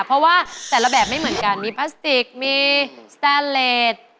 เพราะว่าแต่ละแบบไม่เหมือนกันมีพลาสติกมีสแตนเลส